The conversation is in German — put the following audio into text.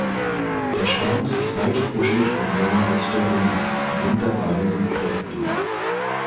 Der Schwanz ist leicht buschig und länger als der Rumpf, die Hinterbeine sind kräftig.